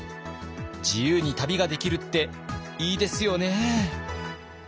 自由に旅ができるっていいですよね！